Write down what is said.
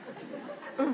うん。